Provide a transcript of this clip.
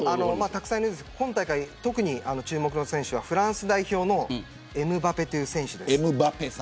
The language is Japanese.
たくさんいるんですけど今大会、特に注目がフランス代表のエムバペという選手です。